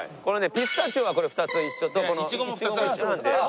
ピスタチオが２つ一緒とこのいちごも一緒なんで。